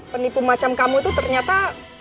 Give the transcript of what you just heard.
penipu macam kamu itu ternyata